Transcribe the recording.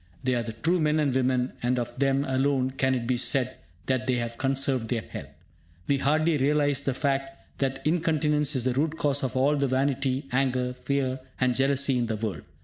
They are the true men and women; and of them alone can it be said that they have conserved their health. We hardly realise the fact that incontinence is the root cause of all the vanity, anger, fear and jealousy in the world.